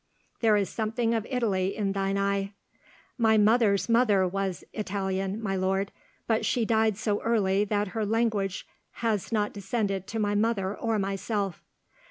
There is something of Italy in thine eye." "My mother's mother was Italian, my lord; but she died so early that her language has not descended to my mother or myself."